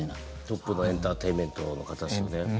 トップのエンターテインメントの方ですよね。